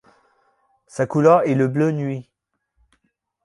Sa couleur est le bleu nuit.